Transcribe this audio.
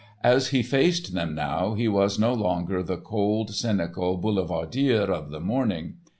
As he faced them now, he was no longer the cold, cynical boulevardier of the morning.